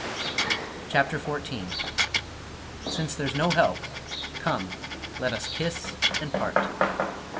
CHAPTER XIV "SINCE THERE'S NO HELP, COME, LET US KISS AND PART!"